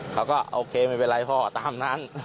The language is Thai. เขาก็โอเคไม่เป็นไรพ่อตามนั้น